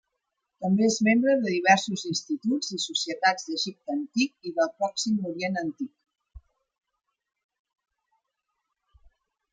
També és membre de diversos instituts i societats d'Egipte Antic i del Pròxim Orient Antic.